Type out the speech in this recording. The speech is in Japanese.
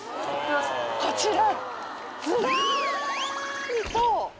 こちら。